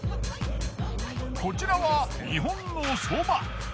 こちらは日本のそば。